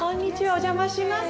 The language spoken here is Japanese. お邪魔します。